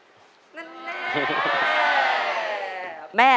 นั่นแหละ